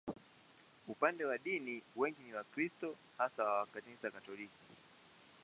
Upande wa dini, wengi ni Wakristo, hasa wa Kanisa Katoliki.